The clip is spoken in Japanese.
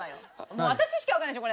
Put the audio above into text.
もう私しかわからないでしょ